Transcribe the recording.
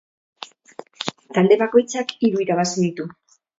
Talde bakoitzak hiru irabazi ditu.